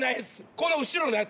この後ろのヤツ。